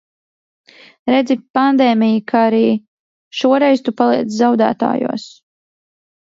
Redzi, pandēmija, ka arī šoreiz tu paliec zaudētājos.